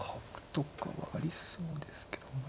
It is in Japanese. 角とかはありそうですけど。